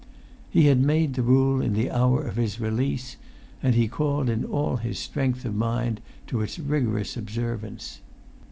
He had made the rule in the hour of his release, and he called in all his strength of mind to its rigorous observance.